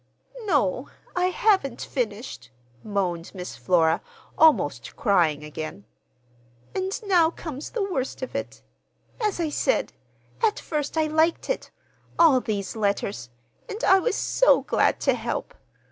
"No, I haven't finished," moaned Miss Flora, almost crying again. "And now comes the worst of it. As I said, at first I liked it—all these letters—and I was so glad to help.